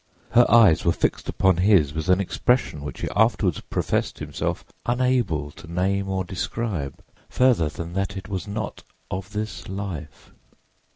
Her eyes were fixed upon his with an expression which he afterward professed himself unable to name or describe, further than that it was "not of this life."